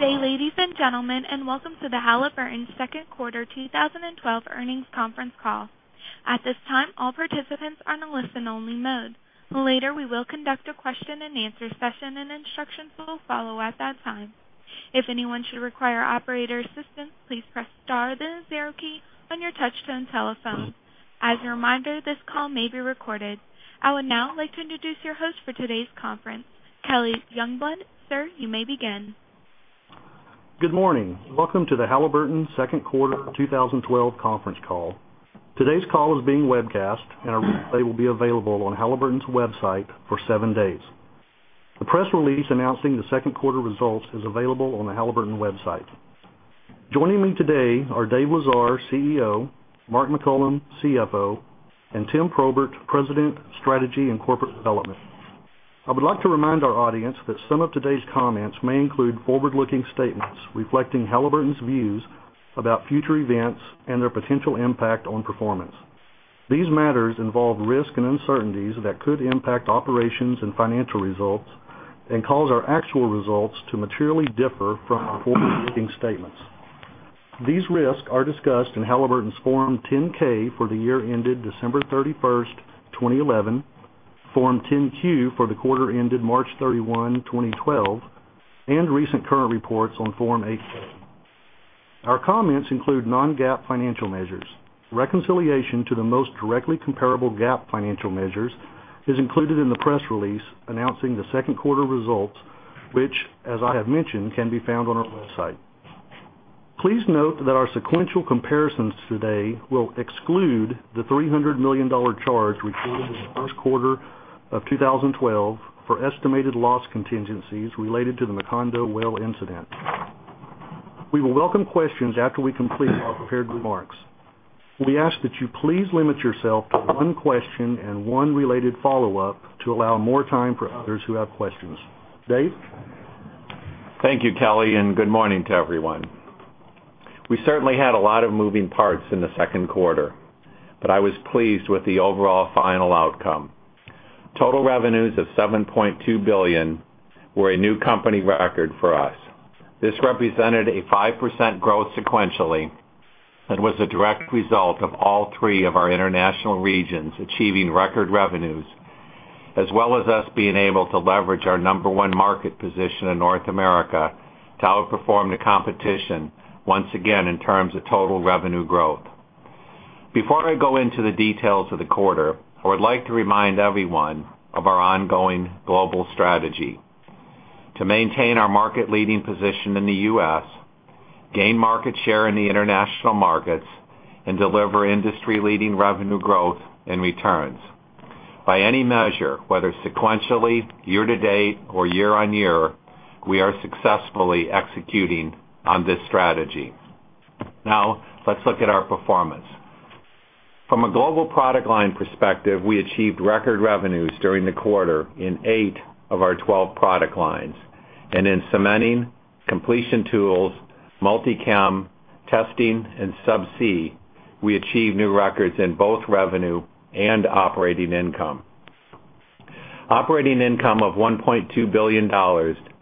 Good day, ladies and gentlemen, and welcome to the Halliburton second quarter 2012 earnings conference call. At this time, all participants are in a listen-only mode. Later, we will conduct a question-and-answer session, and instructions will follow at that time. If anyone should require operator assistance, please press star then zero key on your touch-tone telephone. As a reminder, this call may be recorded. I would now like to introduce your host for today's conference, Kelly Youngblood. Sir, you may begin. Good morning. Welcome to the Halliburton second quarter 2012 conference call. Today's call is being webcast, and a replay will be available on Halliburton's website for seven days. The press release announcing the second quarter results is available on the Halliburton website. Joining me today are Dave Lesar, CEO, Mark McCollum, CFO, and Tim Probert, President, Strategy and Corporate Development. I would like to remind our audience that some of today's comments may include forward-looking statements reflecting Halliburton's views about future events and their potential impact on performance. These matters involve risk and uncertainties that could impact operations and financial results and cause our actual results to materially differ from our forward-looking statements. These risks are discussed in Halliburton's Form 10-K for the year ended December 31st, 2011, Form 10-Q for the quarter ended March 31, 2012, and recent current reports on Form 8-K. Our comments include non-GAAP financial measures. Reconciliation to the most directly comparable GAAP financial measures is included in the press release announcing the second quarter results, which as I have mentioned, can be found on our website. Please note that our sequential comparisons today will exclude the $300 million charge recorded in the first quarter of 2012 for estimated loss contingencies related to the Macondo well incident. We will welcome questions after we complete our prepared remarks. We ask that you please limit yourself to one question and one related follow-up to allow more time for others who have questions. Dave? Thank you, Kelly, and good morning to everyone. We certainly had a lot of moving parts in the second quarter, but I was pleased with the overall final outcome. Total revenues of $7.2 billion were a new company record for us. This represented a 5% growth sequentially and was a direct result of all three of our international regions achieving record revenues, as well as us being able to leverage our number 1 market position in North America to outperform the competition once again in terms of total revenue growth. Before I go into the details of the quarter, I would like to remind everyone of our ongoing global strategy to maintain our market-leading position in the U.S., gain market share in the international markets, and deliver industry-leading revenue growth and returns. By any measure, whether sequentially, year to date, or year on year, we are successfully executing on this strategy. Let's look at our performance. From a global product line perspective, we achieved record revenues during the quarter in eight of our 12 product lines. In cementing, completion tools, Multi-Chem, testing, and subsea, we achieved new records in both revenue and operating income. Operating income of $1.2 billion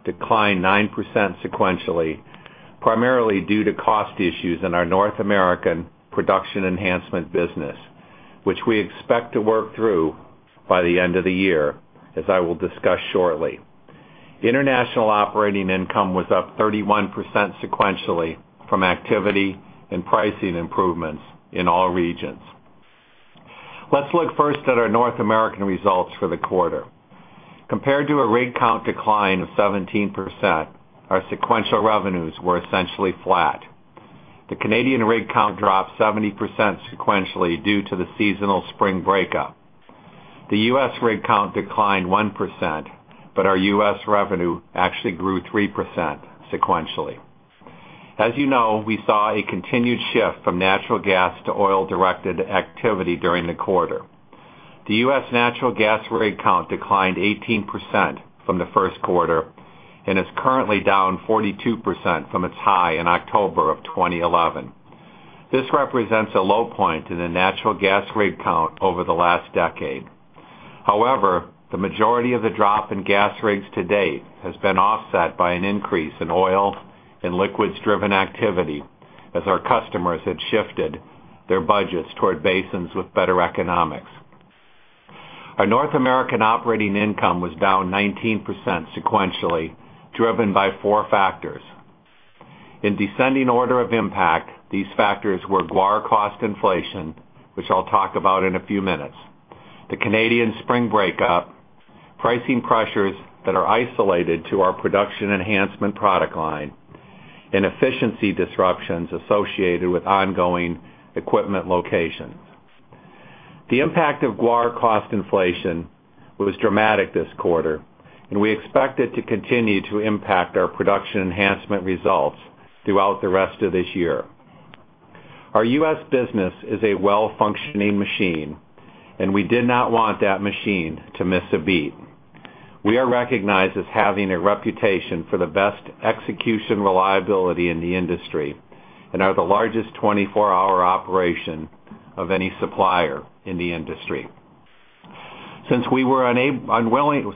declined 9% sequentially, primarily due to cost issues in our North American production enhancement business, which we expect to work through by the end of the year, as I will discuss shortly. International operating income was up 31% sequentially from activity and pricing improvements in all regions. Let's look first at our North American results for the quarter. Compared to a rig count decline of 17%, our sequential revenues were essentially flat. The Canadian rig count dropped 70% sequentially due to the seasonal spring breakup. The U.S. rig count declined 1%, but our U.S. revenue actually grew 3% sequentially. As you know, we saw a continued shift from natural gas to oil-directed activity during the quarter. The U.S. natural gas rig count declined 18% from the first quarter and is currently down 42% from its high in October of 2011. This represents a low point in the natural gas rig count over the last decade. The majority of the drop in gas rigs to date has been offset by an increase in oil and liquids-driven activity as our customers had shifted their budgets toward basins with better economics. Our North American operating income was down 19% sequentially, driven by four factors. In descending order of impact, these factors were guar cost inflation, which I'll talk about in a few minutes, the Canadian spring breakup, pricing pressures that are isolated to our production enhancement product line, efficiency disruptions associated with ongoing equipment locations. The impact of guar cost inflation was dramatic this quarter. We expect it to continue to impact our production enhancement results throughout the rest of this year. Our U.S. business is a well-functioning machine. We did not want that machine to miss a beat. We are recognized as having a reputation for the best execution reliability in the industry and are the largest 24-hour operation of any supplier in the industry. Since we were unwilling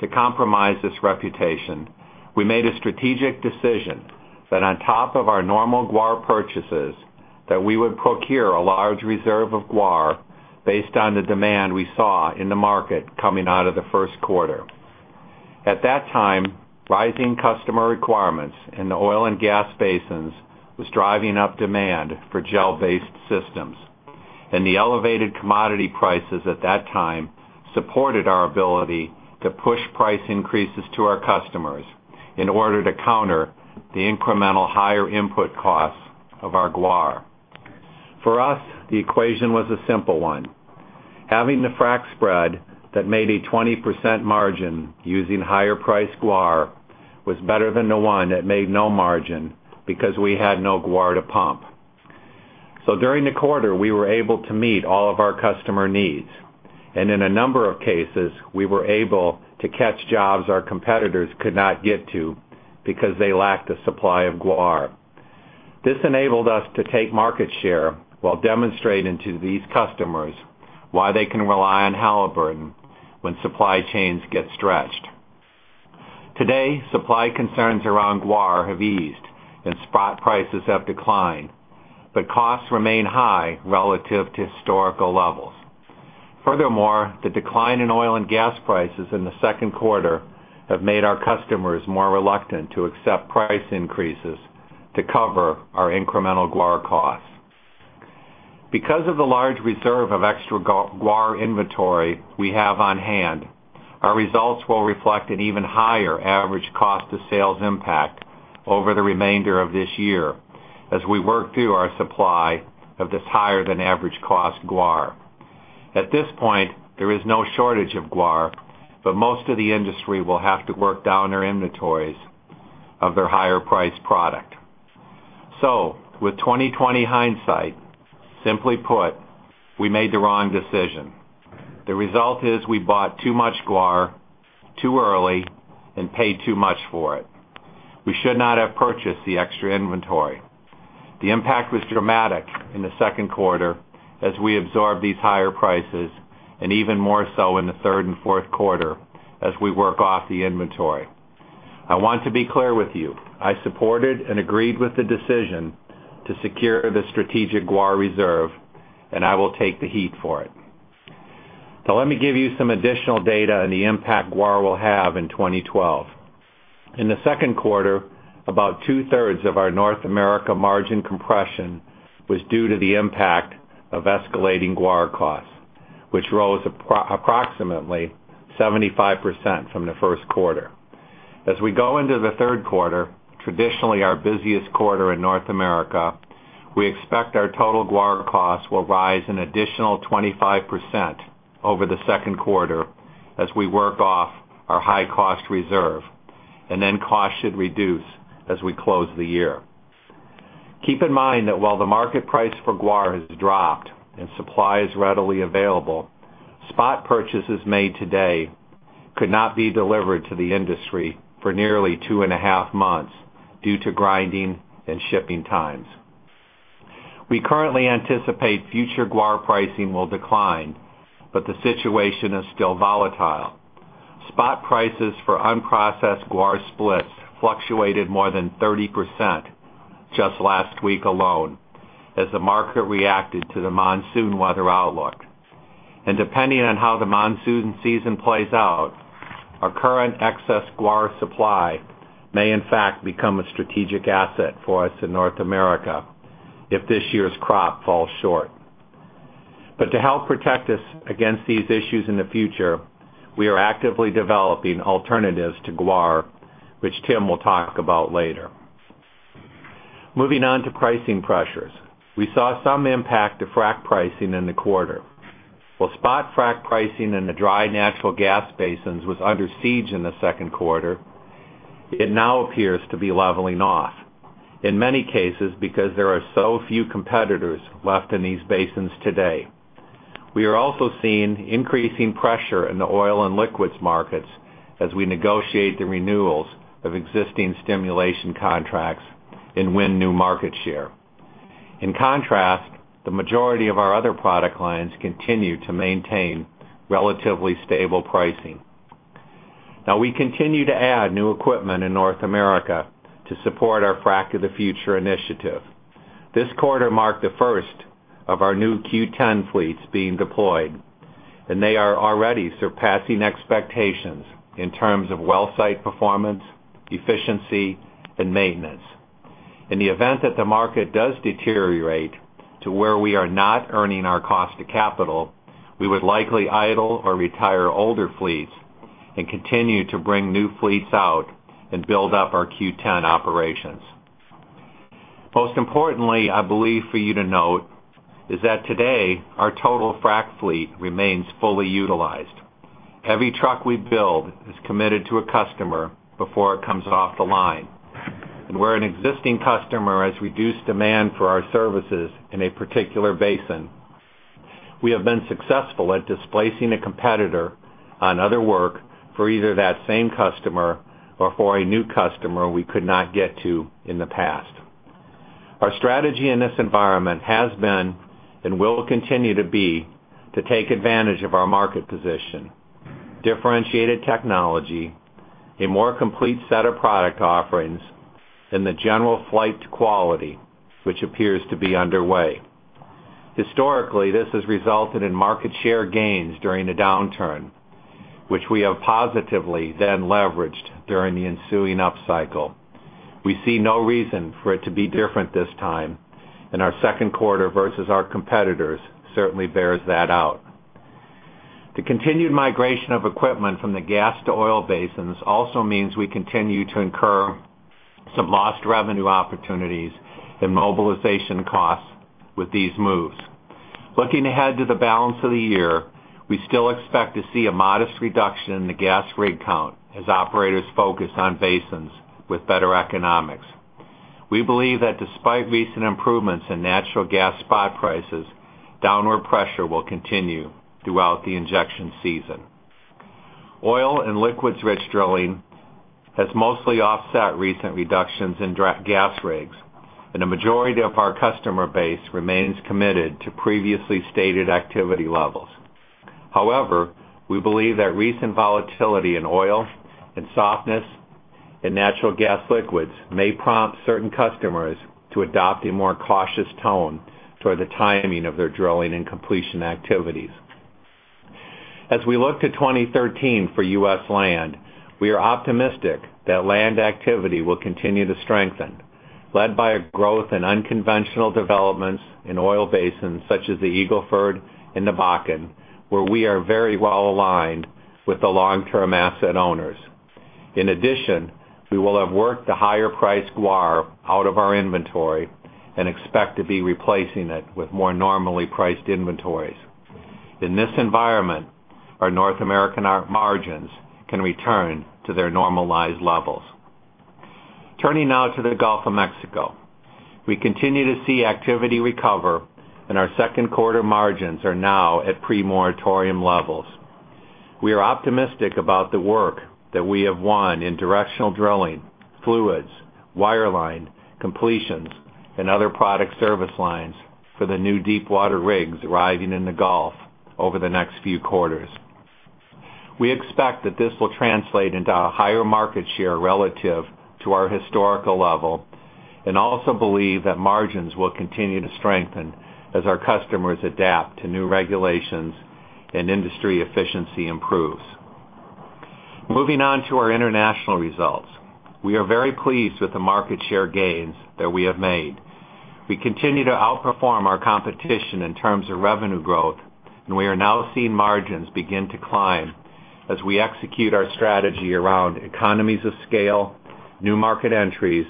to compromise this reputation, we made a strategic decision that on top of our normal guar purchases, that we would procure a large reserve of guar based on the demand we saw in the market coming out of the first quarter. At that time, rising customer requirements in the oil and gas basins was driving up demand for gel-based systems. The elevated commodity prices at that time supported our ability to push price increases to our customers in order to counter the incremental higher input costs of our guar. For us, the equation was a simple one. Having the frac spread that made a 20% margin using higher priced guar was better than the one that made no margin because we had no guar to pump. During the quarter, we were able to meet all of our customer needs, and in a number of cases, we were able to catch jobs our competitors could not get to because they lacked a supply of guar. This enabled us to take market share while demonstrating to these customers why they can rely on Halliburton when supply chains get stretched. Today, supply concerns around guar have eased and spot prices have declined, but costs remain high relative to historical levels. Furthermore, the decline in oil and gas prices in the second quarter have made our customers more reluctant to accept price increases to cover our incremental guar costs. Because of the large reserve of extra guar inventory we have on hand, our results will reflect an even higher average cost to sales impact over the remainder of this year as we work through our supply of this higher-than-average cost guar. At this point, there is no shortage of guar, but most of the industry will have to work down their inventories of their higher priced product. With 20/20 hindsight, simply put, we made the wrong decision. The result is we bought too much guar, too early, and paid too much for it. We should not have purchased the extra inventory. The impact was dramatic in the second quarter as we absorbed these higher prices, and even more so in the third and fourth quarter as we work off the inventory. I want to be clear with you, I supported and agreed with the decision to secure the strategic guar reserve, and I will take the heat for it. Now let me give you some additional data on the impact guar will have in 2012. In the second quarter, about two-thirds of our North America margin compression was due to the impact of escalating guar costs, which rose approximately 75% from the first quarter. As we go into the third quarter, traditionally our busiest quarter in North America, we expect our total guar costs will rise an additional 25% over the second quarter as we work off our high-cost reserve, then costs should reduce as we close the year. Keep in mind that while the market price for guar has dropped and supply is readily available, spot purchases made today could not be delivered to the industry for nearly two and a half months due to grinding and shipping times. We currently anticipate future guar pricing will decline, but the situation is still volatile. Spot prices for unprocessed guar splits fluctuated more than 30% just last week alone as the market reacted to the monsoon weather outlook. Depending on how the monsoon season plays out, our current excess guar supply may in fact become a strategic asset for us in North America if this year's crop falls short. To help protect us against these issues in the future, we are actively developing alternatives to guar, which Tim will talk about later. Moving on to pricing pressures. We saw some impact to frac pricing in the quarter. While spot frac pricing in the dry natural gas basins was under siege in the second quarter, it now appears to be leveling off, in many cases because there are so few competitors left in these basins today. We are also seeing increasing pressure in the oil and liquids markets as we negotiate the renewals of existing stimulation contracts and win new market share. In contrast, the majority of our other product lines continue to maintain relatively stable pricing. We continue to add new equipment in North America to support our Frac of the Future initiative. This quarter marked the first of our new Q10 fleets being deployed, and they are already surpassing expectations in terms of well site performance, efficiency, and maintenance. In the event that the market does deteriorate to where we are not earning our cost of capital, we would likely idle or retire older fleets and continue to bring new fleets out and build up our Q10 operations. Most importantly, I believe for you to note, is that today, our total frac fleet remains fully utilized. Every truck we build is committed to a customer before it comes off the line. Where an existing customer has reduced demand for our services in a particular basin, we have been successful at displacing a competitor on other work for either that same customer or for a new customer we could not get to in the past. Our strategy in this environment has been and will continue to be to take advantage of our market position, differentiated technology, a more complete set of product offerings in the general flight to quality, which appears to be underway. Historically, this has resulted in market share gains during the downturn, which we have positively then leveraged during the ensuing upcycle. Our second quarter versus our competitors certainly bears that out. The continued migration of equipment from the gas to oil basins also means we continue to incur some lost revenue opportunities and mobilization costs with these moves. Looking ahead to the balance of the year, we still expect to see a modest reduction in the gas rig count as operators focus on basins with better economics. We believe that despite recent improvements in natural gas spot prices, downward pressure will continue throughout the injection season. Oil and liquids-rich drilling has mostly offset recent reductions in gas rigs, a majority of our customer base remains committed to previously stated activity levels. However, we believe that recent volatility in oil and softness in natural gas liquids may prompt certain customers to adopt a more cautious tone toward the timing of their drilling and completion activities. As we look to 2013 for U.S. land, we are optimistic that land activity will continue to strengthen, led by a growth in unconventional developments in oil basins such as the Eagle Ford and the Bakken, where we are very well-aligned with the long-term asset owners. In addition, we will have worked the higher-priced guar out of our inventory and expect to be replacing it with more normally priced inventories. In this environment, our North American margins can return to their normalized levels. Turning now to the Gulf of Mexico. We continue to see activity recover, and our second-quarter margins are now at pre-moratorium levels. We are optimistic about the work that we have won in directional drilling, fluids, wireline, completions, and other product service lines for the new deepwater rigs arriving in the Gulf over the next few quarters. We expect that this will translate into a higher market share relative to our historical level and also believe that margins will continue to strengthen as our customers adapt to new regulations and industry efficiency improves. Moving on to our international results. We are very pleased with the market share gains that we have made. We continue to outperform our competition in terms of revenue growth. We are now seeing margins begin to climb as we execute our strategy around economies of scale, new market entries,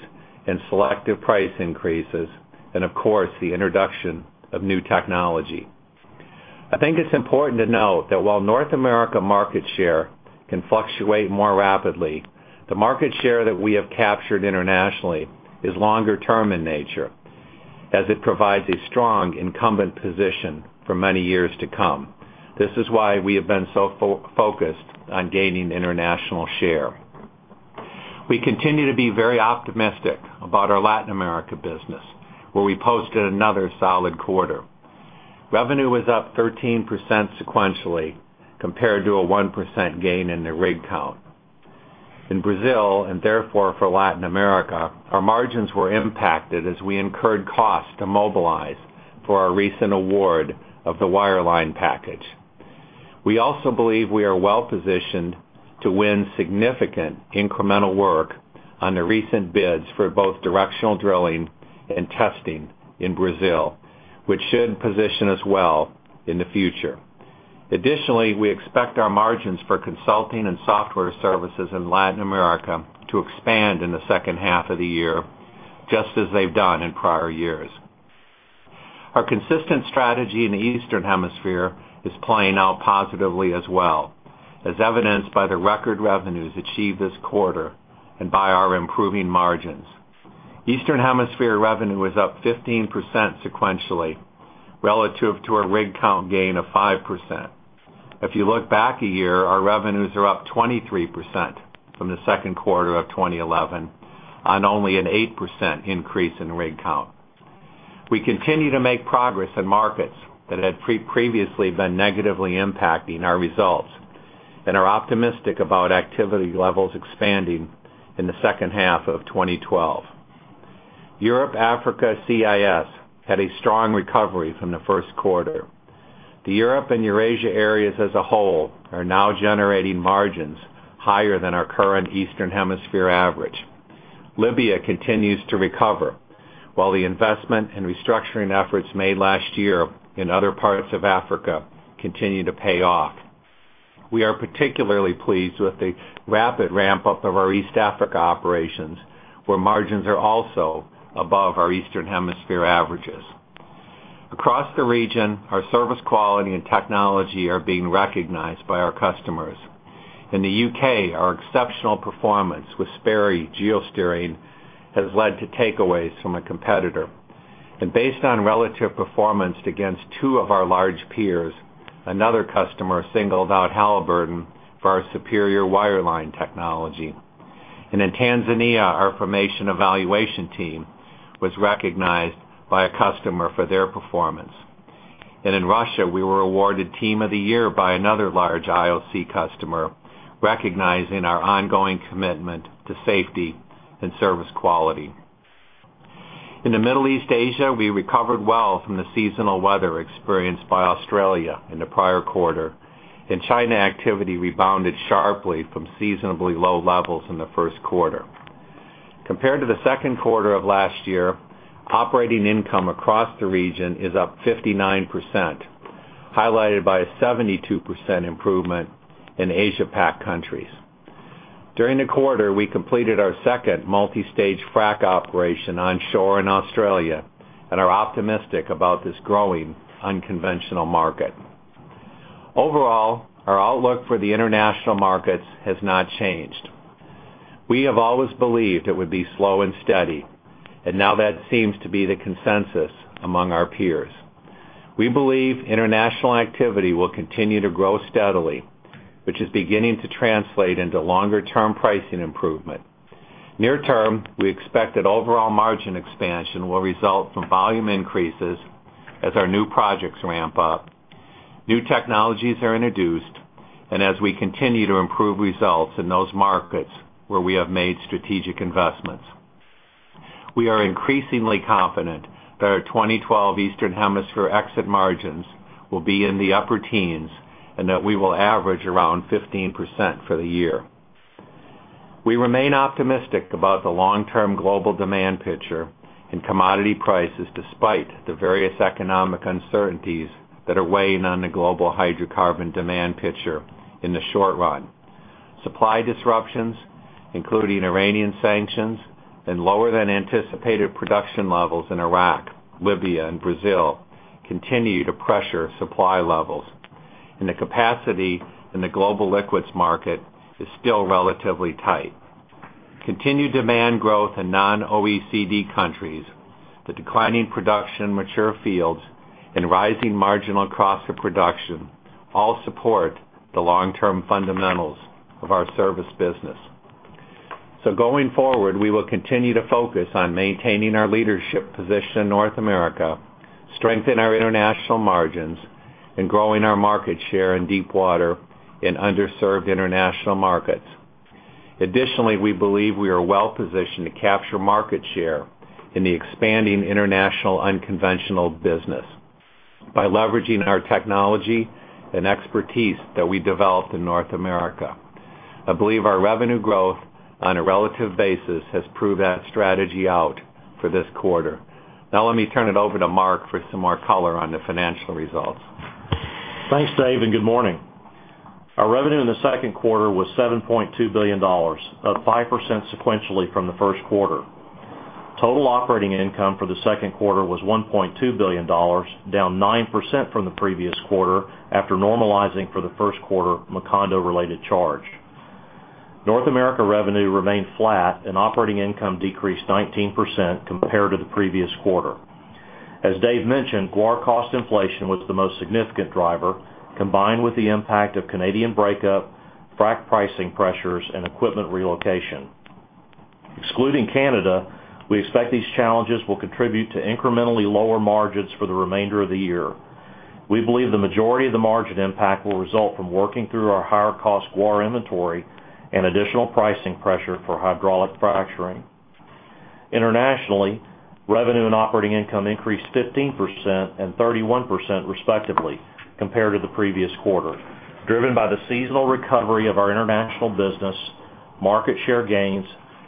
selective price increases, and of course, the introduction of new technology. I think it's important to note that while North America market share can fluctuate more rapidly, the market share that we have captured internationally is longer-term in nature, as it provides a strong incumbent position for many years to come. This is why we have been so focused on gaining international share. We continue to be very optimistic about our Latin America business, where we posted another solid quarter. Revenue was up 13% sequentially compared to a 1% gain in the rig count. In Brazil, therefore for Latin America, our margins were impacted as we incurred costs to mobilize for our recent award of the wireline package. We also believe we are well-positioned to win significant incremental work on the recent bids for both directional drilling and testing in Brazil, which should position us well in the future. Additionally, we expect our margins for consulting and software services in Latin America to expand in the second half of the year, just as they've done in prior years. Our consistent strategy in the Eastern Hemisphere is playing out positively as well, as evidenced by the record revenues achieved this quarter and by our improving margins. Eastern Hemisphere revenue was up 15% sequentially relative to a rig count gain of 5%. If you look back a year, our revenues are up 23% from the second quarter of 2011 on only an 8% increase in rig count. We continue to make progress in markets that had previously been negatively impacting our results and are optimistic about activity levels expanding in the second half of 2012. Europe, Africa, CIS, had a strong recovery from the first quarter. The Europe and Eurasia areas as a whole are now generating margins higher than our current Eastern Hemisphere average. Libya continues to recover, while the investment and restructuring efforts made last year in other parts of Africa continue to pay off. We are particularly pleased with the rapid ramp-up of our East Africa operations, where margins are also above our Eastern Hemisphere averages. Across the region, our service quality and technology are being recognized by our customers. In the U.K., our exceptional performance with Sperry geosteering has led to takeaways from a competitor. Based on relative performance against two of our large peers, another customer singled out Halliburton for our superior wireline technology. In Tanzania, our formation evaluation team was recognized by a customer for their performance. In Russia, we were awarded team of the year by another large IOC customer, recognizing our ongoing commitment to safety and service quality. In the Middle East Asia, we recovered well from the seasonal weather experienced by Australia in the prior quarter, and China activity rebounded sharply from seasonably low levels in the first quarter. Compared to the second quarter of last year, operating income across the region is up 59%, highlighted by a 72% improvement in Asia PAC countries. During the quarter, we completed our second multi-stage frac operation onshore in Australia and are optimistic about this growing unconventional market. Overall, our outlook for the international markets has not changed. We have always believed it would be slow and steady, now that seems to be the consensus among our peers. We believe international activity will continue to grow steadily, which is beginning to translate into longer-term pricing improvement. Near term, we expect that overall margin expansion will result from volume increases as our new projects ramp up, new technologies are introduced, as we continue to improve results in those markets where we have made strategic investments. We are increasingly confident that our 2012 Eastern Hemisphere exit margins will be in the upper teens and that we will average around 15% for the year. We remain optimistic about the long-term global demand picture and commodity prices, despite the various economic uncertainties that are weighing on the global hydrocarbon demand picture in the short run. Supply disruptions, including Iranian sanctions and lower-than-anticipated production levels in Iraq, Libya, and Brazil, continue to pressure supply levels. The capacity in the global liquids market is still relatively tight. Continued demand growth in non-OECD countries, the declining production in mature fields, and rising marginal cost of production all support the long-term fundamentals of our service business. Going forward, we will continue to focus on maintaining our leadership position in North America, strengthen our international margins, growing our market share in deep water in underserved international markets. Additionally, we believe we are well-positioned to capture market share in the expanding international unconventional business by leveraging our technology and expertise that we developed in North America. I believe our revenue growth on a relative basis has proved that strategy out for this quarter. Now let me turn it over to Mark for some more color on the financial results. Thanks, Dave, and good morning. Our revenue in the second quarter was $7.2 billion, up 5% sequentially from the first quarter. Total operating income for the second quarter was $1.2 billion, down 9% from the previous quarter, after normalizing for the first quarter Macondo-related charge. North America revenue remained flat, and operating income decreased 19% compared to the previous quarter. As Dave mentioned, guar cost inflation was the most significant driver, combined with the impact of Canadian breakup, frac pricing pressures, and equipment relocation. Excluding Canada, we expect these challenges will contribute to incrementally lower margins for the remainder of the year. We believe the majority of the margin impact will result from working through our higher-cost guar inventory and additional pricing pressure for hydraulic fracturing. Internationally, revenue and operating income increased 15% and 31% respectively compared to the previous quarter, driven by the seasonal recovery of our international business, market share gains,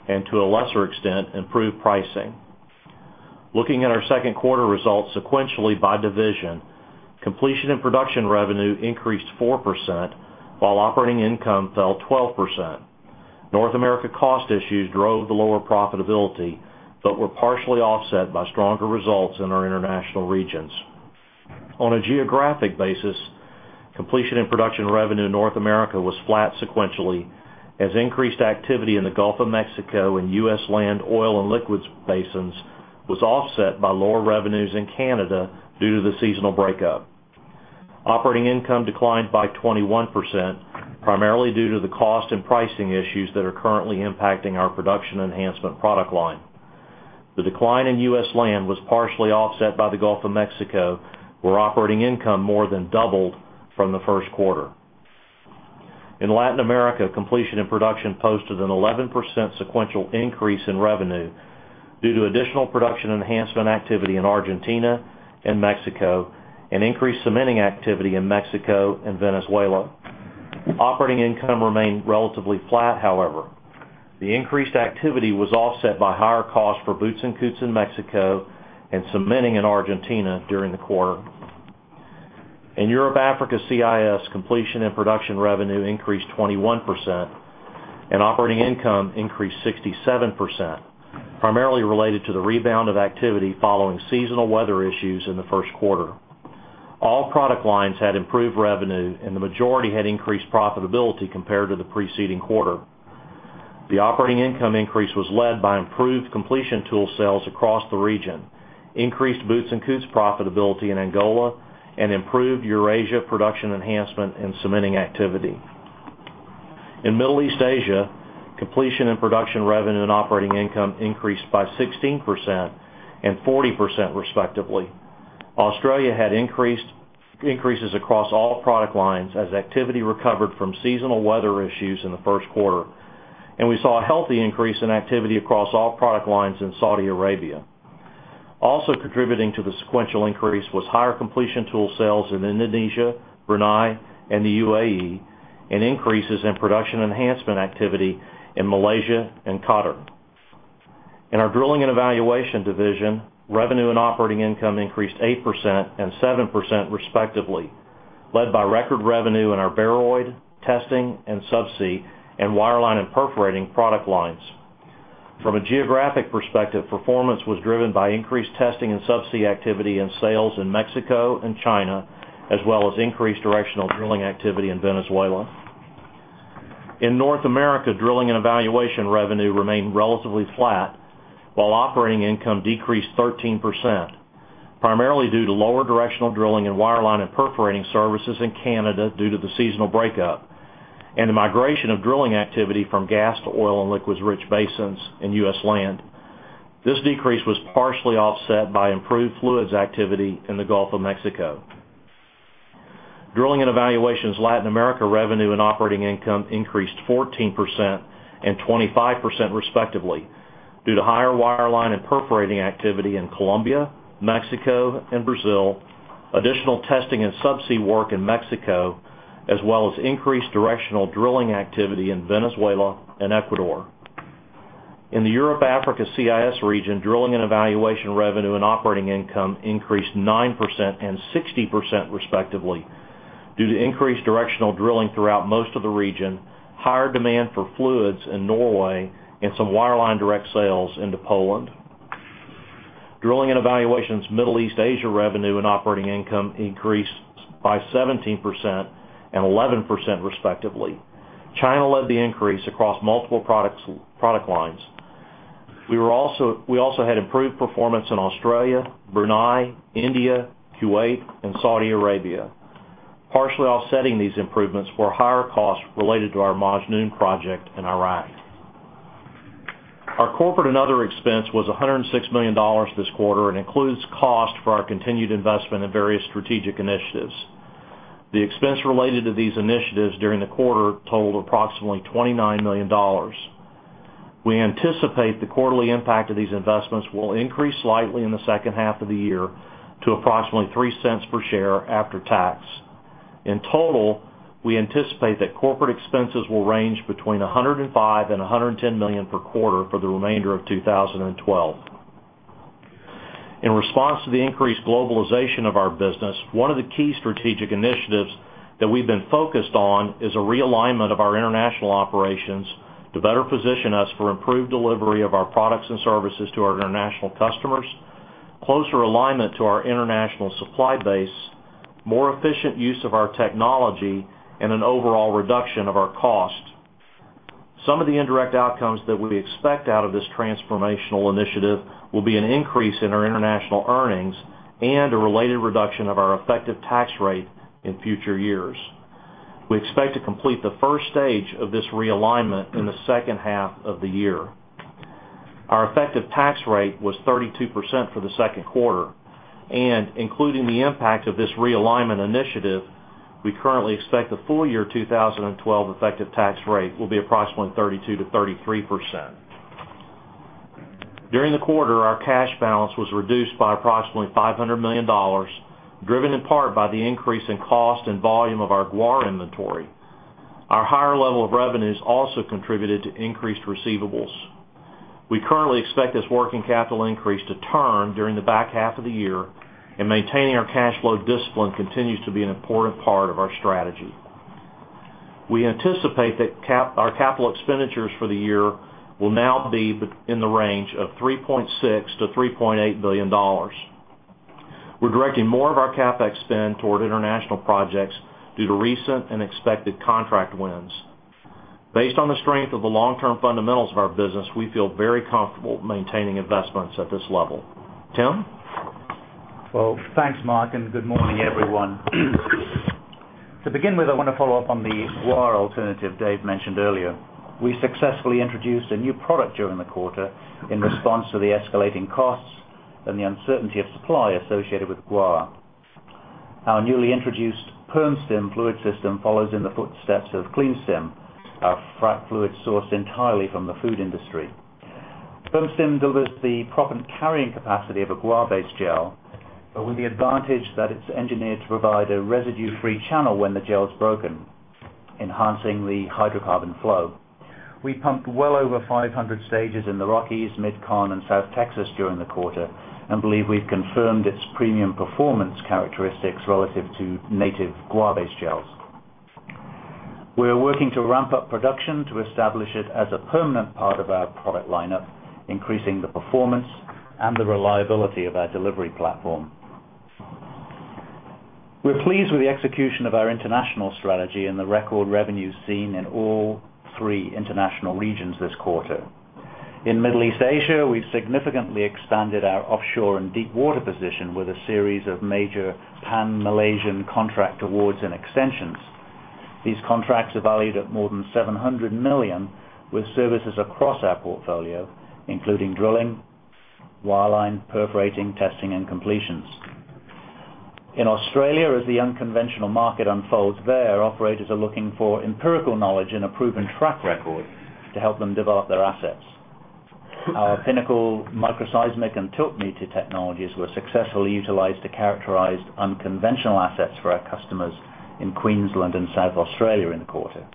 and to a lesser extent, improved pricing. Looking at our second quarter results sequentially by division, completion and production revenue increased 4% while operating income fell 12%. North America cost issues drove the lower profitability but were partially offset by stronger results in our international regions. On a geographic basis, completion and production revenue in North America was flat sequentially as increased activity in the Gulf of Mexico and U.S. land oil and liquids basins was offset by lower revenues in Canada due to the seasonal breakup. Operating income declined by 21%, primarily due to the cost and pricing issues that are currently impacting our production enhancement product line. The decline in U.S. land was partially offset by the Gulf of Mexico, where operating income more than doubled from the first quarter. In Latin America, completion and production posted an 11% sequential increase in revenue due to additional production enhancement activity in Argentina and Mexico and increased cementing activity in Mexico and Venezuela. Operating income remained relatively flat, however. The increased activity was offset by higher costs for Boots & Coots in Mexico and cementing in Argentina during the quarter. In Europe, Africa, CIS, completion and production revenue increased 21% and operating income increased 67%, primarily related to the rebound of activity following seasonal weather issues in the first quarter. All product lines had improved revenue, and the majority had increased profitability compared to the preceding quarter. The operating income increase was led by improved completion tool sales across the region, increased Boots & Coots profitability in Angola, and improved Eurasia production enhancement and cementing activity. In Middle East Asia, completion and production revenue and operating income increased by 16% and 40%, respectively. Australia had increases across all product lines as activity recovered from seasonal weather issues in the first quarter. We saw a healthy increase in activity across all product lines in Saudi Arabia. Also contributing to the sequential increase was higher completion tool sales in Indonesia, Brunei, and the UAE, and increases in production enhancement activity in Malaysia and Qatar. In our drilling and evaluation division, revenue and operating income increased 8% and 7%, respectively, led by record revenue in our Baroid, testing, subsea, and wireline and perforating product lines. From a geographic perspective, performance was driven by increased testing and subsea activity and sales in Mexico and China, as well as increased directional drilling activity in Venezuela. In North America, drilling and evaluation revenue remained relatively flat while operating income decreased 13%, primarily due to lower directional drilling and wireline and perforating services in Canada due to the seasonal breakup, and the migration of drilling activity from gas to oil and liquids-rich basins in U.S. land. This decrease was partially offset by improved fluids activity in the Gulf of Mexico. Drilling and evaluation's Latin America revenue and operating income increased 14% and 25%, respectively, due to higher wireline and perforating activity in Colombia, Mexico, and Brazil, additional testing and subsea work in Mexico, as well as increased directional drilling activity in Venezuela and Ecuador. In the Europe Africa CIS region, drilling and evaluation revenue and operating income increased 9% and 60%, respectively, due to increased directional drilling throughout most of the region, higher demand for fluids in Norway, and some wireline direct sales into Poland. Drilling and evaluation's Middle East Asia revenue and operating income increased by 17% and 11%, respectively. China led the increase across multiple product lines. We also had improved performance in Australia, Brunei, India, Kuwait, and Saudi Arabia. Partially offsetting these improvements were higher costs related to our Majnoon project in Iraq. Our corporate and other expense was $106 million this quarter and includes cost for our continued investment in various strategic initiatives. The expense related to these initiatives during the quarter totaled approximately $29 million. We anticipate the quarterly impact of these investments will increase slightly in the second half of the year to approximately $0.03 per share after tax. In total, we anticipate that corporate expenses will range between $105 million and $110 million per quarter for the remainder of 2012. In response to the increased globalization of our business, one of the key strategic initiatives that we've been focused on is a realignment of our international operations to better position us for improved delivery of our products and services to our international customers, closer alignment to our international supply base, more efficient use of our technology, and an overall reduction of our cost. Some of the indirect outcomes that we expect out of this transformational initiative will be an increase in our international earnings and a related reduction of our effective tax rate in future years. We expect to complete the first stage of this realignment in the second half of the year. Our effective tax rate was 32% for the second quarter, and including the impact of this realignment initiative, we currently expect the full year 2012 effective tax rate will be approximately 32%-33%. During the quarter, our cash balance was reduced by approximately $500 million, driven in part by the increase in cost and volume of our guar inventory. Our higher level of revenues also contributed to increased receivables. We currently expect this working capital increase to turn during the back half of the year, and maintaining our cash flow discipline continues to be an important part of our strategy. We anticipate that our capital expenditures for the year will now be in the range of $3.6 billion-$3.8 billion. We're directing more of our CapEx spend toward international projects due to recent and expected contract wins. Based on the strength of the long-term fundamentals of our business, we feel very comfortable maintaining investments at this level. Tim? Well, thanks, Mark, and good morning, everyone. To begin with, I want to follow up on the guar alternative Dave mentioned earlier. We successfully introduced a new product during the quarter in response to the escalating costs and the uncertainty of supply associated with guar. Our newly introduced PermStim fluid system follows in the footsteps of CleanStim, our frac fluid sourced entirely from the food industry. PermStim delivers the proper carrying capacity of a guar-based gel, but with the advantage that it's engineered to provide a residue-free channel when the gel is broken, enhancing the hydrocarbon flow. We pumped well over 500 stages in the Rockies, MidCon, and South Texas during the quarter and believe we've confirmed its premium performance characteristics relative to native guar-based gels. We are working to ramp up production to establish it as a permanent part of our product lineup, increasing the performance and the reliability of our delivery platform. We're pleased with the execution of our international strategy and the record revenue seen in all three international regions this quarter. In Middle East Asia, we've significantly expanded our offshore and deep water position with a series of major Pan-Malaysian contract awards and extensions. These contracts are valued at more than $700 million, with services across our portfolio, including drilling, wireline, perforating, testing, and completions. In Australia, as the unconventional market unfolds there, operators are looking for empirical knowledge and a proven track record to help them develop their assets. Our Pinnacle microseismic and tiltmeter technologies were successfully utilized to characterize unconventional assets for our customers in Queensland and South Australia in the quarter.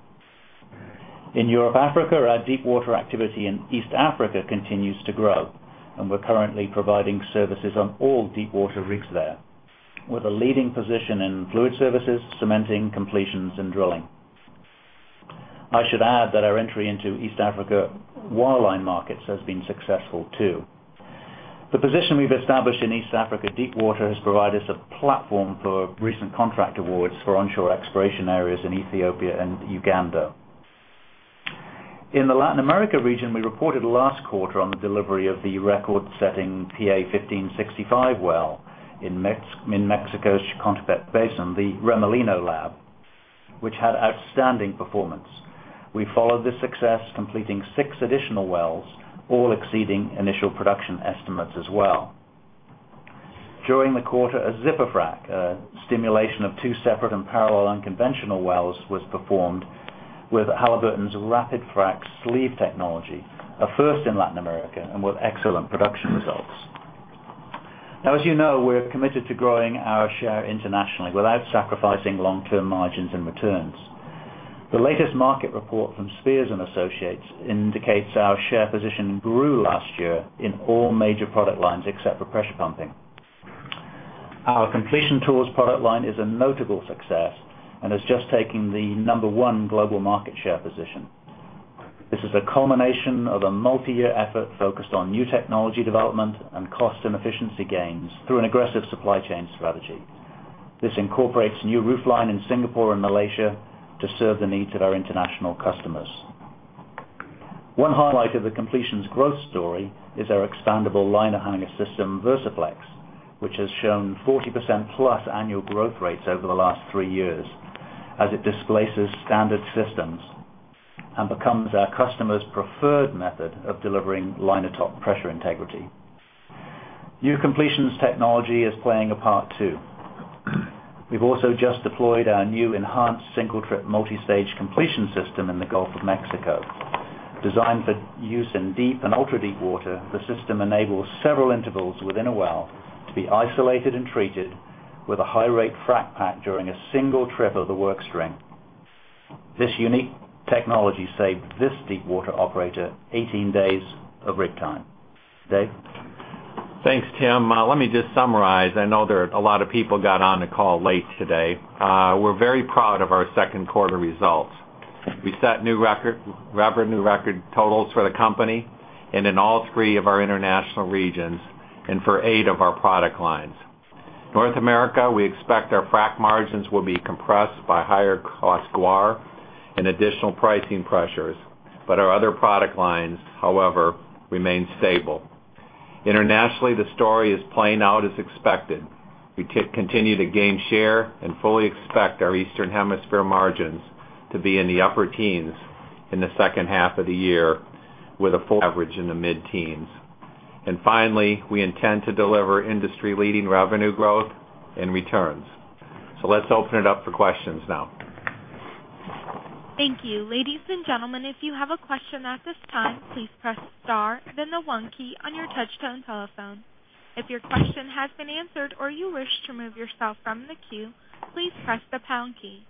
In Europe, Africa, our deep water activity in East Africa continues to grow, and we're currently providing services on all deep water rigs there, with a leading position in fluid services, cementing, completions, and drilling. I should add that our entry into East Africa wireline markets has been successful too. The position we've established in East Africa deep water has provided us a platform for recent contract awards for onshore exploration areas in Ethiopia and Uganda. In the Latin America region, we reported last quarter on the delivery of the record-setting PA-1565 well in Mexico's Chicontepec Basin, the Remolino Lab, which had outstanding performance. We followed this success, completing six additional wells, all exceeding initial production estimates as well. During the quarter, a Zipper Frac, a stimulation of two separate and parallel unconventional wells, was performed with Halliburton's Rapid Frac sleeve technology, a first in Latin America and with excellent production results. As you know, we're committed to growing our share internationally without sacrificing long-term margins and returns. The latest market report from Spears & Associates indicates our share position grew last year in all major product lines except for pressure pumping. Our completion tools product line is a notable success and has just taken the number one global market share position. This is a culmination of a multi-year effort focused on new technology development and cost and efficiency gains through an aggressive supply chain strategy. This incorporates new roofline in Singapore and Malaysia to serve the needs of our international customers. One highlight of the completions growth story is our expandable liner hanging system, VersaFlex, which has shown 40% plus annual growth rates over the last three years as it displaces standard systems and becomes our customers' preferred method of delivering liner top pressure integrity. New completions technology is playing a part too. We've also just deployed our new enhanced single trip multi-stage completion system in the Gulf of Mexico. Designed for use in deep and ultra-deep water, the system enables several intervals within a well to be isolated and treated with a high rate frac pack during a single trip of the work string. This unique technology saved this deep water operator 18 days of rig time. Dave? Thanks, Tim. Let me just summarize. I know there are a lot of people got on the call late today. We're very proud of our second quarter results. We set new revenue record totals for the company and in all three of our international regions and for eight of our product lines. North America, we expect our frac margins will be compressed by higher cost guar and additional pricing pressures. Our other product lines, however, remain stable. Internationally, the story is playing out as expected. We continue to gain share and fully expect our Eastern Hemisphere margins to be in the upper teens in the second half of the year with a full average in the mid-teens. Finally, we intend to deliver industry-leading revenue growth and returns. Let's open it up for questions now. Thank you. Ladies and gentlemen, if you have a question at this time, please press star then the one key on your touchtone telephone. If your question has been answered or you wish to remove yourself from the queue, please press the pound key.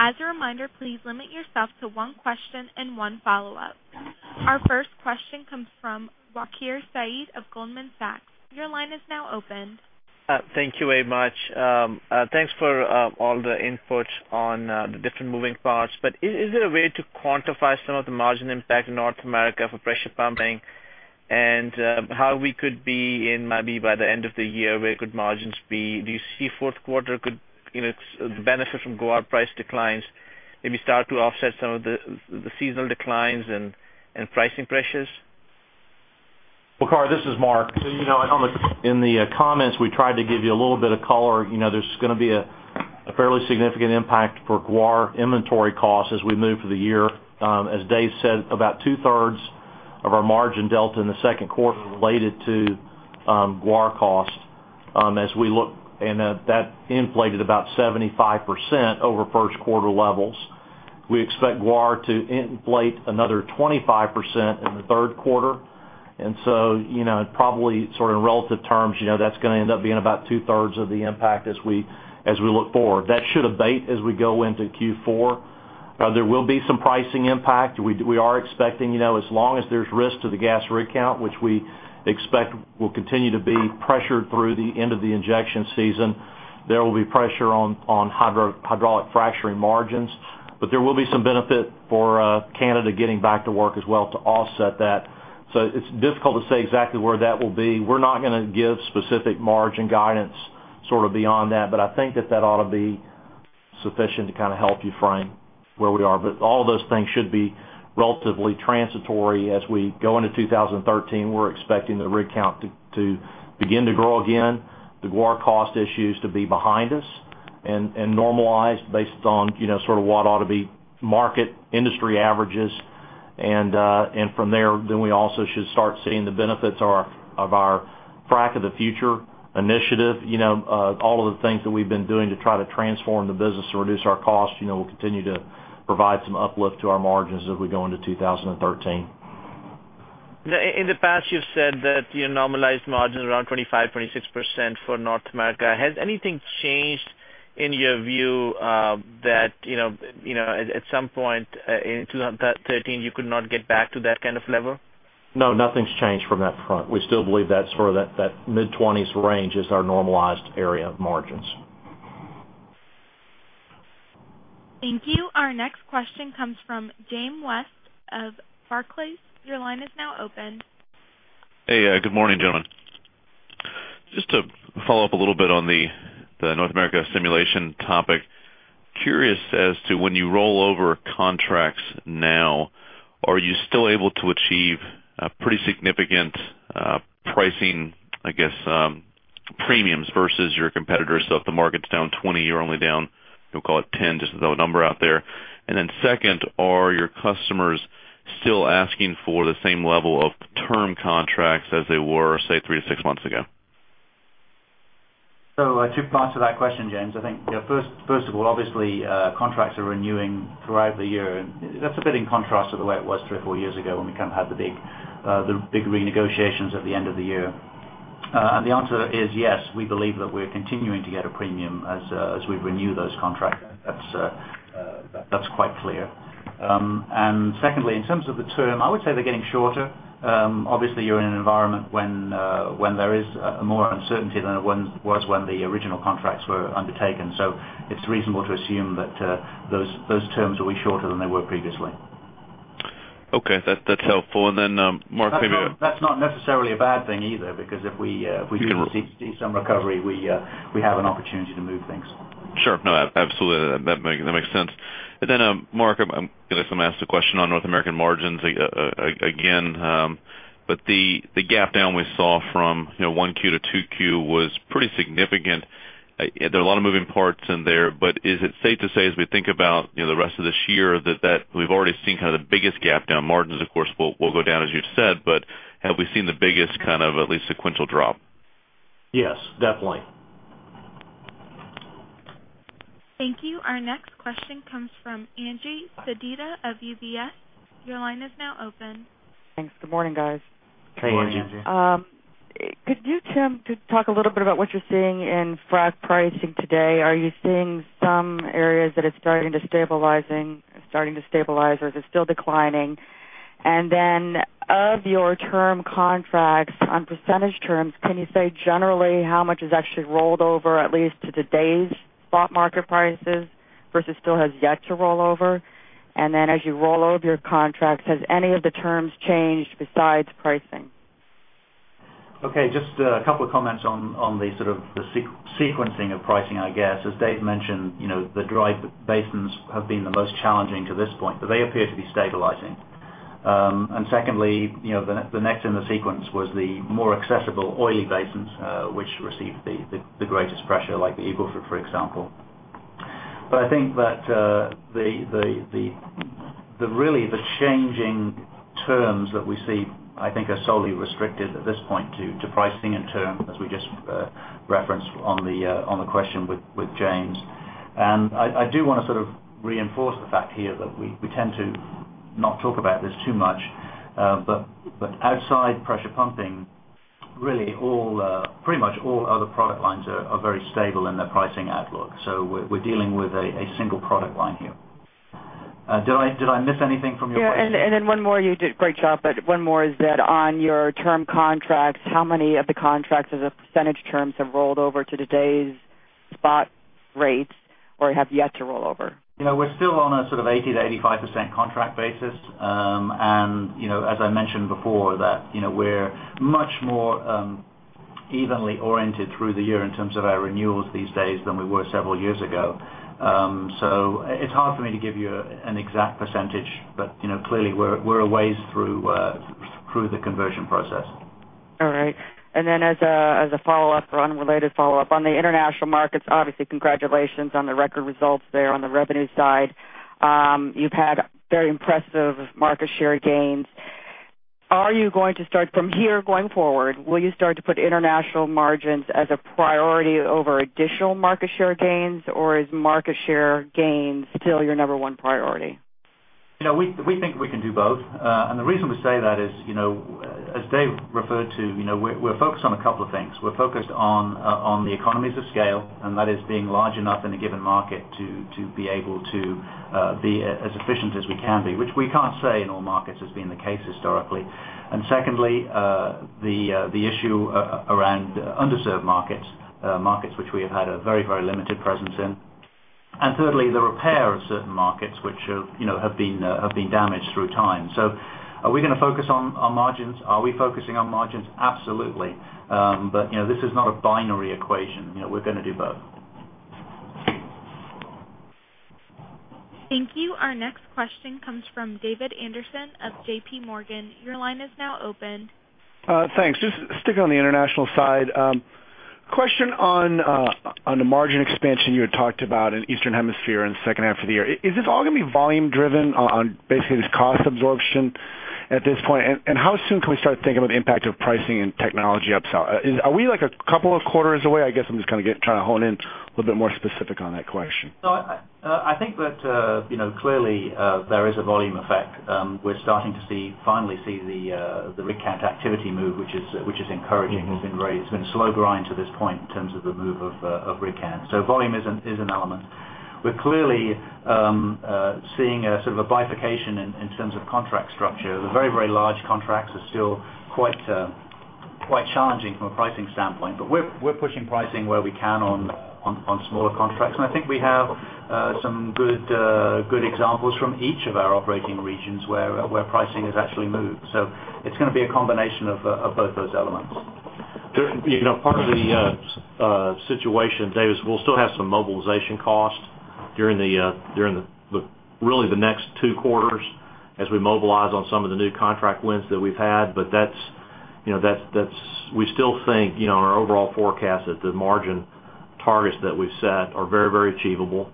As a reminder, please limit yourself to one question and one follow-up. Our first question comes from Waqar Syed of Goldman Sachs. Your line is now open. Is there a way to quantify some of the margin impact in North America for pressure pumping? How we could be in maybe by the end of the year, where could margins be? Do you see fourth quarter could benefit from guar price declines, maybe start to offset some of the seasonal declines and pricing pressures? Waqar, this is Mark. You know, in the comments, we tried to give you a little bit of color. There's going to be a fairly significant impact for guar inventory costs as we move through the year. As Dave said, about two-thirds of our margin delta in the second quarter related to guar cost. That inflated about 75% over first quarter levels. We expect guar to inflate another 25% in the third quarter, probably sort of in relative terms, that's going to end up being about two-thirds of the impact as we look forward. That should abate as we go into Q4. There will be some pricing impact. We are expecting, as long as there's risk to the gas rig count, which we expect will continue to be pressured through the end of the injection season, there will be pressure on hydraulic fracturing margins. There will be some benefit for Canada getting back to work as well to offset that. It's difficult to say exactly where that will be. We're not going to give specific margin guidance sort of beyond that, but I think that that ought to be Sufficient to kind of help you frame where we are. All those things should be relatively transitory as we go into 2013. We're expecting the rig count to begin to grow again, the guar cost issues to be behind us, normalized based on sort of what ought to be market industry averages. From there, then we also should start seeing the benefits of our Frac of the Future initiative. All of the things that we've been doing to try to transform the business to reduce our costs will continue to provide some uplift to our margins as we go into 2013. In the past, you've said that your normalized margin around 25%-26% for North America. Has anything changed in your view that, at some point in 2013, you could not get back to that kind of level? No, nothing's changed from that front. We still believe that mid-20s range is our normalized area of margins. Thank you. Our next question comes from James West of Barclays. Your line is now open. Hey, good morning, gentlemen. Just to follow up a little bit on the North America stimulation topic. Curious as to when you roll over contracts now, are you still able to achieve a pretty significant pricing, I guess, premiums versus your competitors? If the market's down 20%, you're only down, we'll call it 10%, just as a number out there. Second, are your customers still asking for the same level of term contracts as they were, say, three to six months ago? Two parts to that question, James. I think first of all, obviously, contracts are renewing throughout the year. That's a bit in contrast to the way it was three or four years ago when we kind of had the big renegotiations at the end of the year. The answer is, yes, we believe that we're continuing to get a premium as we renew those contracts. That's quite clear. Secondly, in terms of the term, I would say they're getting shorter. Obviously, you're in an environment when there is more uncertainty than it was when the original contracts were undertaken. It's reasonable to assume that those terms will be shorter than they were previously. Okay. That's helpful. Mark, maybe- That's not necessarily a bad thing either, because if we do see some recovery, we have an opportunity to move things. Sure. No, absolutely. That makes sense. Mark, I guess I'm going to ask the question on North American margins again. The gap down we saw from 1Q to 2Q was pretty significant. There are a lot of moving parts in there, is it safe to say, as we think about the rest of this year, that we've already seen kind of the biggest gap down margins, of course, will go down, as you've said, but have we seen the biggest kind of at least sequential drop? Yes, definitely. Thank you. Our next question comes from Angie Sedita of UBS. Your line is now open. Thanks. Good morning, guys. Hey, Angie. Good morning, Angie. Could you, Tim, talk a little bit about what you're seeing in frac pricing today? Are you seeing some areas that are starting to stabilize, or is it still declining? Of your term contracts on percentage terms, can you say generally how much is actually rolled over at least to today's spot market prices versus still has yet to roll over? As you roll over your contracts, has any of the terms changed besides pricing? Okay. Just a couple of comments on the sort of the sequencing of pricing, I guess. As Dave mentioned, the dry basins have been the most challenging to this point, but they appear to be stabilizing. Secondly, the next in the sequence was the more accessible oily basins, which received the greatest pressure, like the Eagle Ford, for example. I think that really the changing terms that we see, I think are solely restricted at this point to pricing and term, as we just referenced on the question with James. I do want to sort of reinforce the fact here that we tend to not talk about this too much. Outside pressure pumping, really pretty much all other product lines are very stable in their pricing outlook. We're dealing with a single product line here. Did I miss anything from your question? Yeah. One more. You did a great job, but one more is that on your term contracts, how many of the contracts as a percentage terms have rolled over to today's spot rates or have yet to roll over? We're still on a sort of 80%-85% contract basis. As I mentioned before, that we're much more evenly oriented through the year in terms of our renewals these days than we were several years ago. It's hard for me to give you an exact percentage, but clearly we're a ways through the conversion process. All right. As a follow-up or unrelated follow-up on the international markets, obviously, congratulations on the record results there on the revenue side. You've had very impressive market share gains. Are you going to start from here going forward? Will you start to put international margins as a priority over additional market share gains, or is market share gains still your number one priority? We think we can do both. The reason we say that is, as Dave referred to, we're focused on a couple of things. We're focused on the economies of scale, and that is being large enough in a given market to be able to be as efficient as we can be, which we can't say in all markets has been the case historically. Secondly, the issue around underserved markets. Markets which we have had a very, very limited presence in. Thirdly, the repair of certain markets which have been damaged through time. Are we going to focus on our margins? Are we focusing on margins? Absolutely. This is not a binary equation. We're going to do both. Thank you. Our next question comes from David Anderson of JPMorgan. Your line is now open. Thanks. Just sticking on the international side. Question on the margin expansion you had talked about in Eastern Hemisphere in the second half of the year. Is this all going to be volume driven on basically this cost absorption at this point? How soon can we start thinking about the impact of pricing and technology upsell? Are we a couple of quarters away? I guess I'm just trying to hone in a little bit more specific on that question. No, I think that clearly there is a volume effect. We're starting to finally see the rig count activity move, which is encouraging. It's been a slow grind to this point in terms of the move of rig count. Volume is an element. We're clearly seeing a sort of a bifurcation in terms of contract structure. The very, very large contracts are still quite challenging from a pricing standpoint. We're pushing pricing where we can on smaller contracts. I think we have some good examples from each of our operating regions where pricing has actually moved. It's going to be a combination of both those elements. Part of the situation, David, we'll still have some mobilization costs during really the next two quarters as we mobilize on some of the new contract wins that we've had. We still think in our overall forecast that the margin targets that we've set are very, very achievable.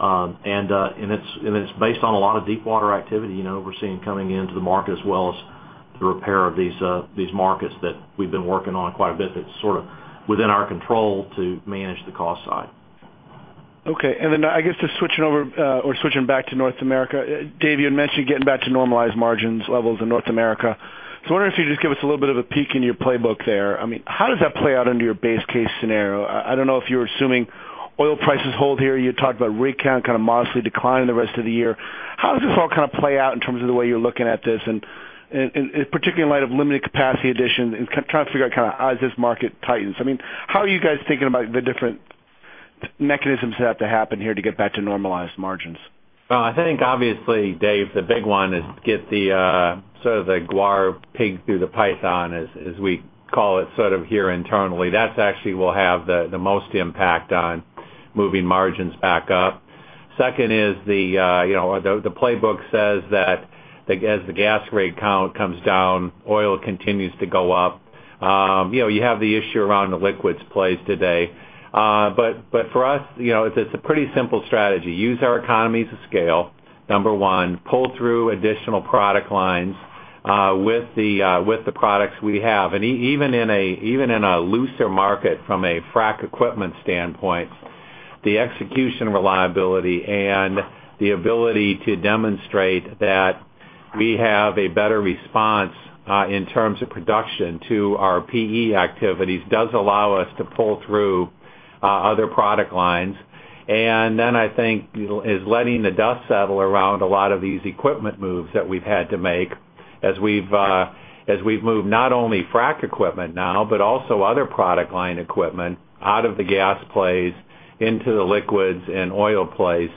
It's based on a lot of deep water activity we're seeing coming into the market, as well as the repair of these markets that we've been working on quite a bit that's sort of within our control to manage the cost side. Okay. Then I guess just switching over or switching back to North America. Dave, you had mentioned getting back to normalized margins levels in North America. I wonder if you could just give us a little bit of a peek in your playbook there. How does that play out under your base case scenario? I don't know if you're assuming oil prices hold here. You talked about rig count kind of modestly declining the rest of the year. How does this all kind of play out in terms of the way you're looking at this, and particularly in light of limited capacity additions and trying to figure out kind of as this market tightens? How are you guys thinking about the different mechanisms that have to happen here to get back to normalized margins? I think obviously, Dave, the big one is to get the guar pig through the python, as we call it sort of here internally. That actually will have the most impact on moving margins back up. Second is the playbook says that as the gas rig count comes down, oil continues to go up. You have the issue around the liquids plays today. For us, it's a pretty simple strategy. Use our economies of scale, number 1, pull through additional product lines with the products we have. Even in a looser market from a frac equipment standpoint, the execution reliability and the ability to demonstrate that we have a better response in terms of production to our PE activities does allow us to pull through other product lines. I think is letting the dust settle around a lot of these equipment moves that we've had to make as we've moved not only frac equipment now, but also other product line equipment out of the gas plays into the liquids and oil plays.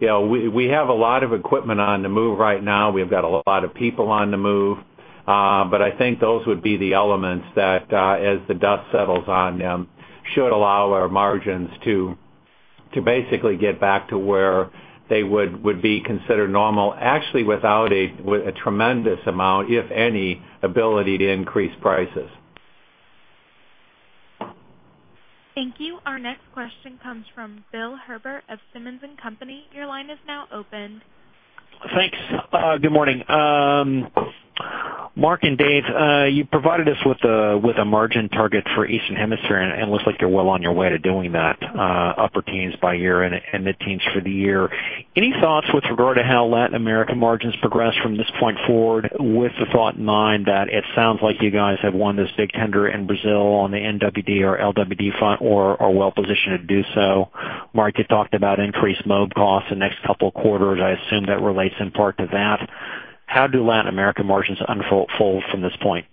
We have a lot of equipment on the move right now. We've got a lot of people on the move. I think those would be the elements that as the dust settles on them, should allow our margins to basically get back to where they would be considered normal, actually without a tremendous amount, if any, ability to increase prices. Thank you. Our next question comes from Bill Herbert of Simmons & Company. Your line is now open. Thanks. Good morning. Mark and Dave, you provided us with a margin target for Eastern Hemisphere, and it looks like you're well on your way to doing that. Upper teens by year and mid-teens for the year. Any thoughts with regard to how Latin American margins progress from this point forward with the thought in mind that it sounds like you guys have won this big tender in Brazil on the MWD or LWD front or are well positioned to do so? Mark, you talked about increased mob costs the next couple of quarters. I assume that relates in part to that. How do Latin American margins unfold from this point?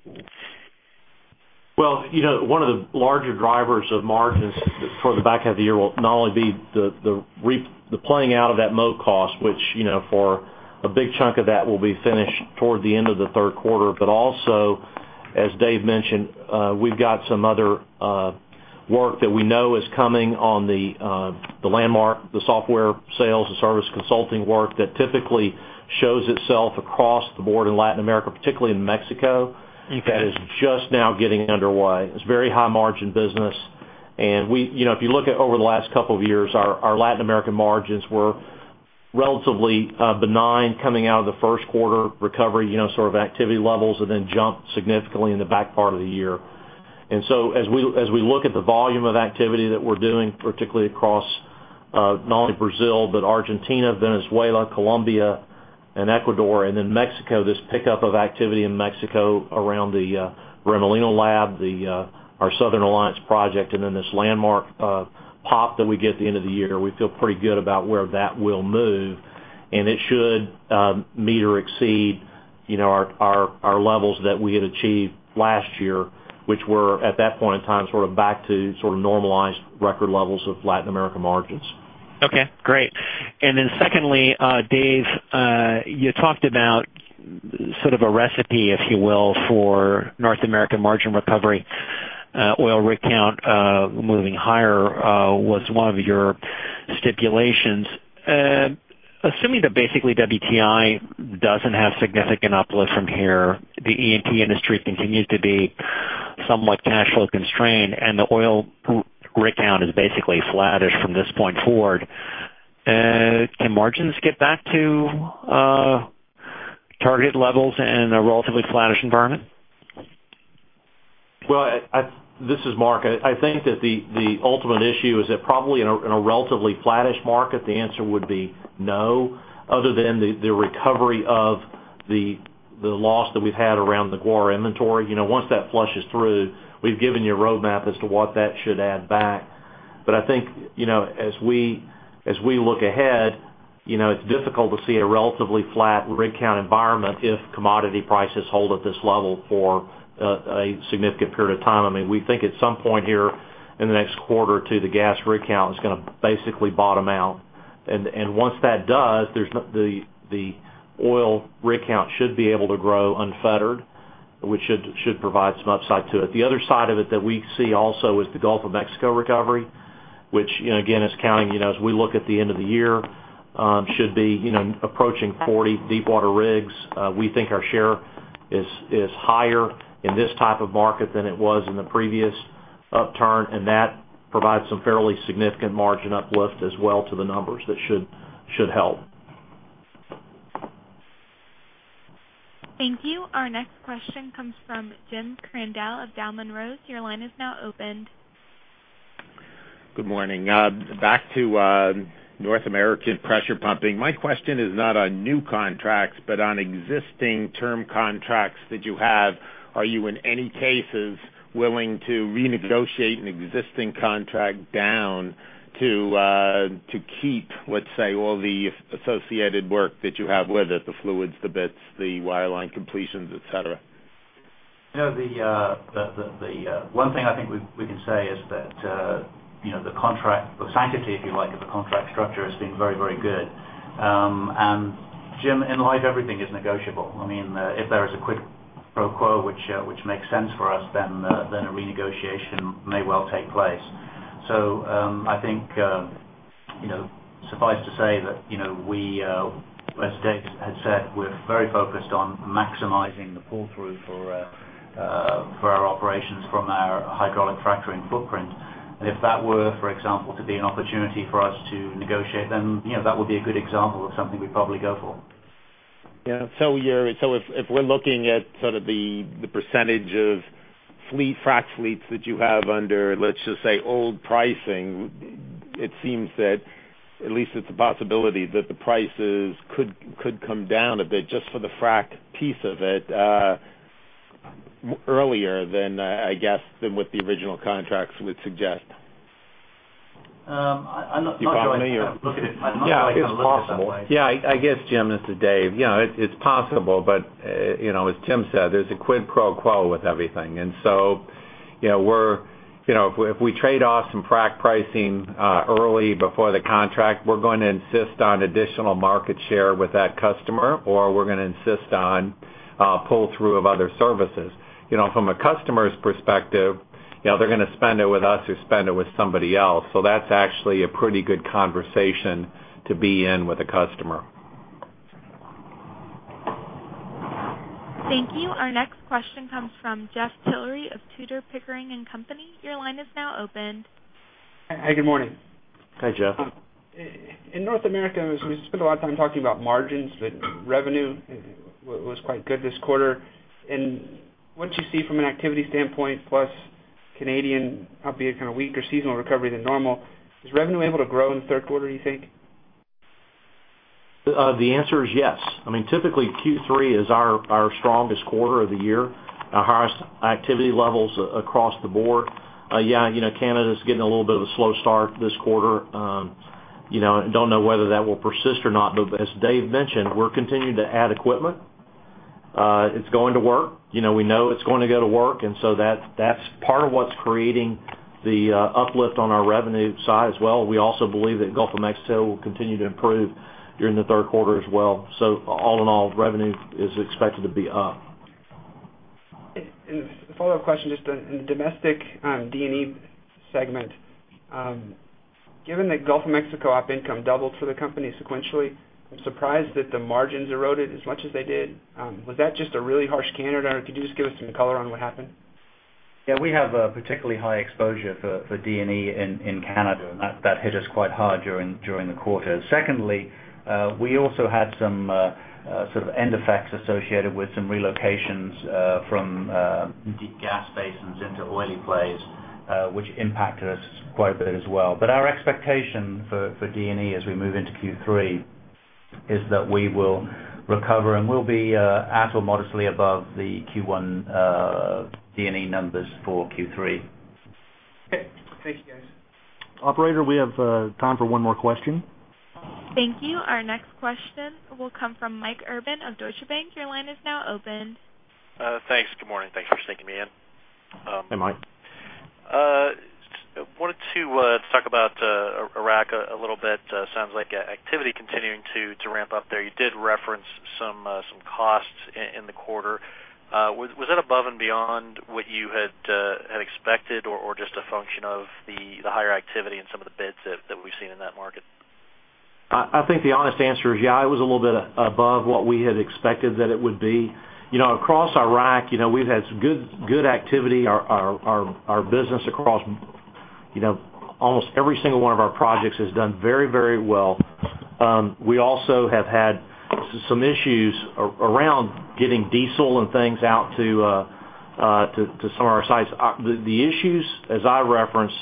Well, one of the larger drivers of margins for the back half of the year will not only be the playing out of that guar cost, which for a big chunk of that will be finished toward the end of the third quarter. Also, as Dave mentioned, we've got some other work that we know is coming on the Landmark, the software sales, the service consulting work that typically shows itself across the board in Latin America, particularly in Mexico. Okay. That is just now getting underway. It's very high margin business. If you look at over the last couple of years, our Latin American margins were relatively benign coming out of the first quarter recovery, sort of activity levels and then jumped significantly in the back part of the year. As we look at the volume of activity that we're doing, particularly across not only Brazil, but Argentina, Venezuela, Colombia, and Ecuador, then Mexico, this pickup of activity in Mexico around the Remolino Lab, our Southern Alliance project, and then this Landmark pop that we get at the end of the year, we feel pretty good about where that will move. It should meet or exceed our levels that we had achieved last year, which were at that point in time, sort of back to sort of normalized record levels of Latin America margins. Okay, great. Secondly, Dave, you talked about Sort of a recipe, if you will, for North American margin recovery. Oil rig count moving higher was one of your stipulations. Assuming that basically WTI doesn't have significant uplift from here, the E&P industry continues to be somewhat cash flow constrained, and the oil rig count is basically flattish from this point forward, can margins get back to target levels in a relatively flattish environment? Well, this is Mark. I think that the ultimate issue is that probably in a relatively flattish market, the answer would be no, other than the recovery of the loss that we've had around the guar inventory. Once that flushes through, we've given you a roadmap as to what that should add back. I think, as we look ahead, it's difficult to see a relatively flat rig count environment if commodity prices hold at this level for a significant period of time. We think at some point here in the next quarter or two, the gas rig count is going to basically bottom out. Once that does, the oil rig count should be able to grow unfettered, which should provide some upside to it. The other side of it that we see also is the Gulf of Mexico recovery, which again, as we look at the end of the year, should be approaching 40 deepwater rigs. We think our share is higher in this type of market than it was in the previous upturn, and that provides some fairly significant margin uplift as well to the numbers that should help. Thank you. Our next question comes from James Crandell of Dahlman Rose. Your line is now open. Good morning. Back to North American pressure pumping. My question is not on new contracts, but on existing term contracts that you have. Are you, in any cases, willing to renegotiate an existing contract down to keep, let's say, all the associated work that you have with it, the fluids, the bits, the wireline completions, et cetera? One thing I think we can say is that the sanctity, if you like, of the contract structure has been very good. Jim, in life, everything is negotiable. If there is a quid pro quo which makes sense for us, then a renegotiation may well take place. I think, suffice to say that as Dave had said, we're very focused on maximizing the pull-through for our operations from our hydraulic fracturing footprint. If that were, for example, to be an opportunity for us to negotiate, then that would be a good example of something we'd probably go for. Yeah. If we're looking at sort of the % of frac fleets that you have under, let's just say, old pricing, it seems that at least it's a possibility that the prices could come down a bit just for the frac piece of it earlier than, I guess, what the original contracts would suggest. I'm not going to look at it that way. Yeah, it's possible. Yeah, I guess, Jim, this is Dave. It's possible. As Tim said, there's a quid pro quo with everything. If we trade off some frac pricing early before the contract, we're going to insist on additional market share with that customer, or we're going to insist on pull through of other services. From a customer's perspective, they're going to spend it with us or spend it with somebody else. That's actually a pretty good conversation to be in with a customer. Thank you. Our next question comes from Jeff Tillery of Tudor, Pickering, Holt & Co. Your line is now open. Hey, good morning. Hi, Jeff. In North America, we spent a lot of time talking about margins, revenue was quite good this quarter. What you see from an activity standpoint, plus Canadian, probably a kind of weaker seasonal recovery than normal. Is revenue able to grow in the third quarter, do you think? The answer is yes. Typically, Q3 is our strongest quarter of the year, our highest activity levels across the board. Canada's getting a little bit of a slow start this quarter. Don't know whether that will persist or not, but as Dave mentioned, we're continuing to add equipment. It's going to work. We know it's going to go to work, and that's part of what's creating the uplift on our revenue side as well. We also believe that Gulf of Mexico will continue to improve during the third quarter as well. All in all, revenue is expected to be up. A follow-up question, just in the domestic D&E segment. Given that Gulf of Mexico op income doubled for the company sequentially, I'm surprised that the margins eroded as much as they did. Was that just a really harsh Canada? Could you just give us some color on what happened? We have a particularly high exposure for D&E in Canada, and that hit us quite hard during the quarter. Secondly, we also had some sort of end effects associated with some relocations from deep gas basins into oily plays, which impacted us quite a bit as well. Our expectation for D&E as we move into Q3 is that we will recover, and we'll be at or modestly above the Q1 D&E numbers for Q3. Okay. Thank you, guys. Operator, we have time for one more question. Thank you. Our next question will come from Michael Urban of Deutsche Bank. Your line is now open. Thanks. Good morning. Thanks for sneaking me in. Hey, Mike. Two, let's talk about Iraq a little bit. Sounds like activity continuing to ramp up there. You did reference some costs in the quarter. Was that above and beyond what you had expected or just a function of the higher activity and some of the bids that we've seen in that market? I think the honest answer is yeah, it was a little bit above what we had expected that it would be. Across Iraq, we've had some good activity. Our business across almost every single one of our projects has done very well. We also have had some issues around getting diesel and things out to some of our sites. The issues, as I referenced,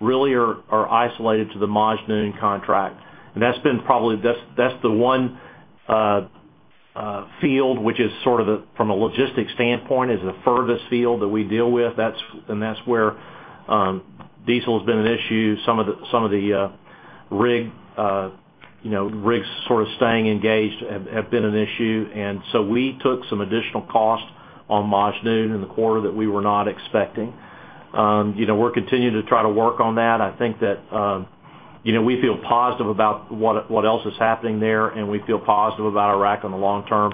really are isolated to the Majnoon contract, and that's the one field, which is sort of, from a logistics standpoint, is the furthest field that we deal with. That's where diesel's been an issue. Some of the rigs sort of staying engaged have been an issue. So we took some additional cost on Majnoon in the quarter that we were not expecting. We're continuing to try to work on that. I think that we feel positive about what else is happening there, we feel positive about Iraq in the long term.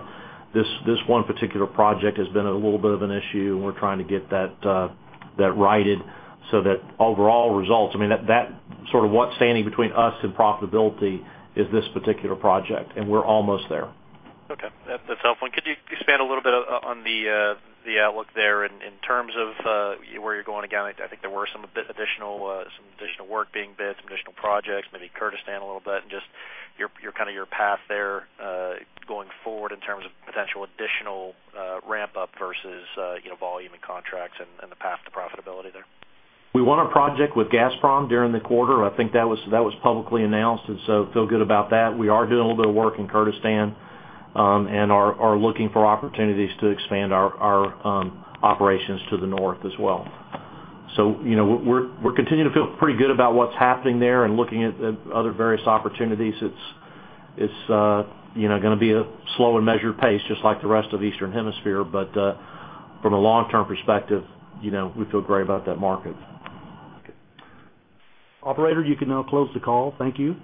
This one particular project has been a little bit of an issue, we're trying to get that righted so that overall results, sort of what's standing between us and profitability is this particular project, we're almost there. Okay. That's helpful. Could you expand a little bit on the outlook there in terms of where you're going? Again, I think there were some additional work being bid, some additional projects, maybe Kurdistan a little bit, just kind of your path there going forward in terms of potential additional ramp up versus volume and contracts and the path to profitability there. We won a project with Gazprom during the quarter. I think that was publicly announced. Feel good about that. We are doing a little bit of work in Kurdistan, and are looking for opportunities to expand our operations to the north as well. We're continuing to feel pretty good about what's happening there and looking at other various opportunities. It's going to be a slow and measured pace, just like the rest of the eastern hemisphere. From a long-term perspective, we feel great about that market. Okay. Operator, you can now close the call. Thank you.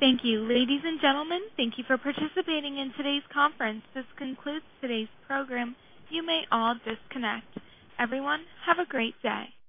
Thank you. Ladies and gentlemen, thank you for participating in today's conference. This concludes today's program. You may all disconnect. Everyone, have a great day.